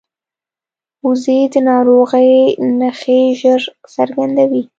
وزې د ناروغۍ نښې ژر څرګندوي